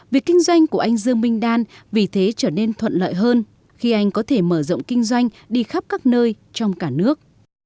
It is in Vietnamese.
việc kinh doanh của anh dương minh đan vì thế trở nên thuận lợi hơn khi anh có thể mở rộng kinh doanh đi khắp các nơi trong cả nước